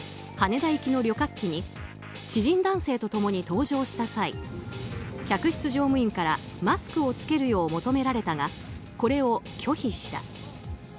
羽田行きの旅客機に知人男性と共に搭乗した際客室乗務員からマスクを着けるよう求められたがこれを拒否した。